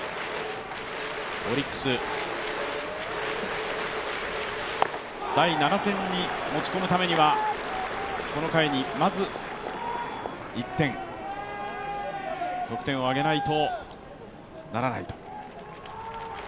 オリックス、第７戦に持ち込むためにはこの回にまず１点、得点を挙げないとならないと。